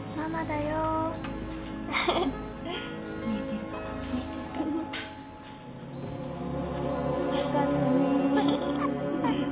・よかったね・